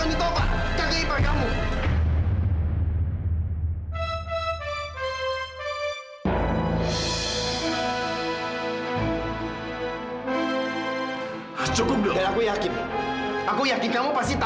setiap kali kak fadil bohong sama mila